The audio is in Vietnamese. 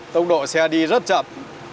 tốc độ xe đi rất chậm